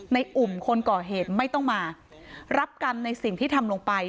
อุ่มคนก่อเหตุไม่ต้องมารับกรรมในสิ่งที่ทำลงไป